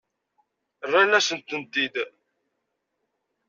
Rrant-asen-tent-id.